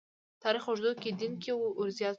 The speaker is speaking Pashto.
تاریخ اوږدو کې دین کې ورزیات شوي.